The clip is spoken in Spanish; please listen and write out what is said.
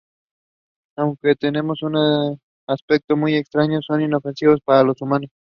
Aunque tienen un aspecto muy extraño, son inofensivos para los humanos.